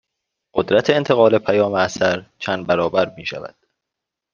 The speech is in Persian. قدرت انتقال پیام اثر چند برابر می شود